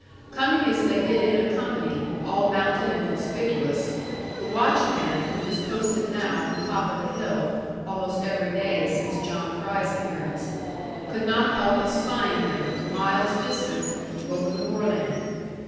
Coming as they did in a company, all mounted and conspicuous, the watchman (who was posted now on the top of the hill, almost every day since John Fry's appearance) could not help espying them, miles distant, over the moorland.